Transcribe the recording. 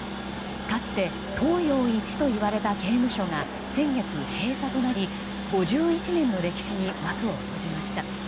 かつて東洋一といわれた刑務所が先月、閉鎖となり５１年の歴史に幕を閉じました。